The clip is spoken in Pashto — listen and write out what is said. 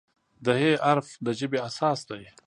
د "ه" حرف د ژبې اساس دی.